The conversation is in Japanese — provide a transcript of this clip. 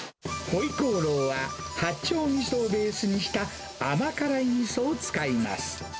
ホイコーローは、八丁みそをベースにした甘辛みそを使います。